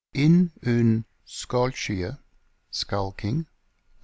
Yn un scolchye, skulking, lit.